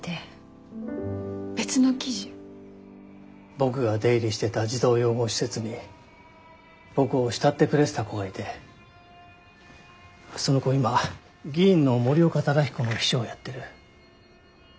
僕が出入りしてた児童養護施設に僕を慕ってくれてた子がいてその子今議員の森岡忠彦の秘書をやってる。